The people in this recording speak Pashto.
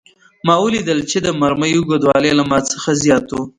ما ولیدل چې د مرمۍ اوږدوالی له ما څخه زیات و